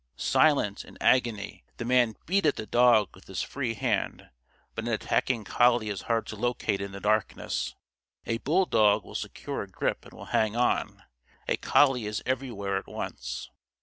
Silent, in agony, the man beat at the dog with his free hand; but an attacking collie is hard to locate in the darkness. A bulldog will secure a grip and will hang on; a collie is everywhere at once.